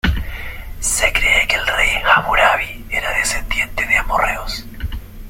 Se cree que el rey Hammurabi era descendiente de amorreos.